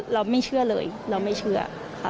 เราไม่เชื่อเลยเราไม่เชื่อค่ะ